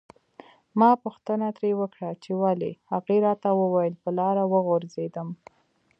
ما پوښتنه ترې وکړه چې ولې هغې راته وویل په لاره وغورځیدم.